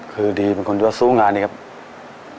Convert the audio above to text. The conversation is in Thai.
คือดีเป็นคนที่ว่าสู้งานนี้ครับ